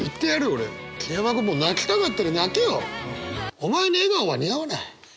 お前に笑顔は似合わない。